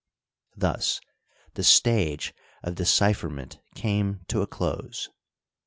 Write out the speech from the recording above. Thus the stage of decipher ment came to a close.